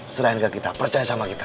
selain ke kita percaya sama kita